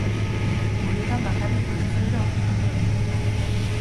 Uretan bakarrik utziz gero, ito egiten da.